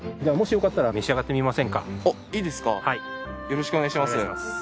よろしくお願いします。